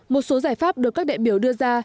một số giải pháp được các đại biểu đưa ra